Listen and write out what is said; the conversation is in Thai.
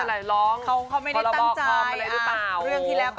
พืชโทษไปคือมีงานต่างสือมีงานตำคืนอยู่แล้ว